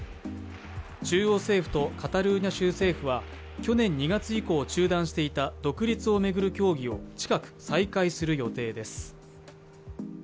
中央政府とカタルーニャ州政府は去年２月以降中断していた独立を巡る協議を近く再開する予定です。